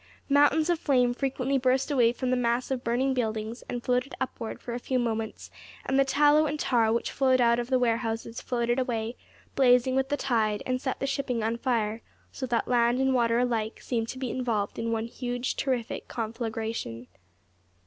Mountains of flame frequently burst away from the mass of burning buildings and floated upward for a few moments, and the tallow and tar which flowed out of the warehouses floated away blazing with the tide and set the shipping on fire, so that land and water alike seemed to be involved in one huge terrific conflagration.